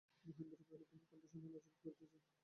মহেন্দ্র কহিল, তোমার কণ্ঠ শুনিয়া লজ্জাবোধ করিতেছে।